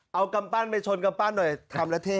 เอากำปั้นไปชนกำปั้นหน่อยทำแล้วเท่